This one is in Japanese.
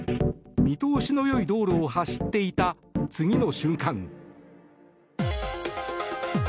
見通しの良い道路を走っていた次の瞬間。